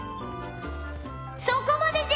そこまでじゃ！